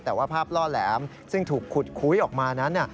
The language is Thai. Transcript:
แต่ว่าภาพล่อแหลมซึ่งถูกขุดคุ้ยออกมานั้น